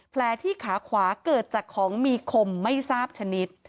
แผลที่ขาขวาเกิดจากของมีคมไม่ทราบชนิด